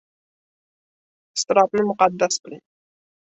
Iztirobni muqaddas biling